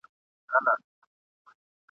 د شیطان پر پلونو پل ایښی انسان دی ..